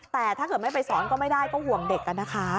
แต่ถ้าเกิดไม่ไปสอนก็ไม่ได้ก็ห่วงเด็กนะคะ